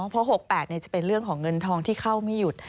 เพราะ๖๘จะเป็นเรื่องของเงินทองที่เข้าไม่หยุด